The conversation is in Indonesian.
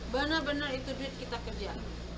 benar benar itu duit kita kerja